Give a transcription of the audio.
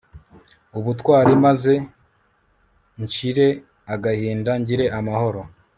ubutwari, maze nshire agahinda, ngire amahoro